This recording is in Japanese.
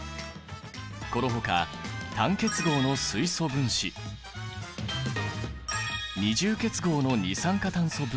このほか単結合の水素分子二重結合の二酸化炭素分子